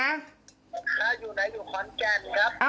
เลขบัญชีธนาคาร